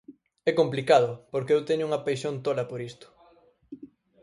É complicado, porque eu teño unha paixón tola por isto.